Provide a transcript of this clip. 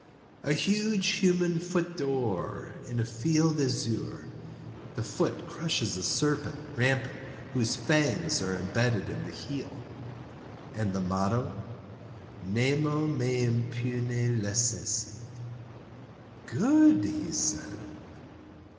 "A huge human foot d'or, in a field azure; the foot crushes a serpent rampant whose fangs are imbedded in the heel." "And the motto?" "Nemo me impune lacessit." "Good!" he said.